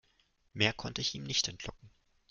Mehr konnte ich ihm nicht entlocken.